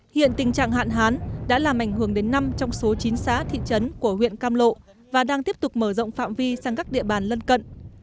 hiện tình trạng hạn hán đã làm ảnh hưởng đến năm trong số chín xã thị trấn của huyện cam lộ và đang tiếp tục mở rộng phạm vi sang các địa bàn lân cận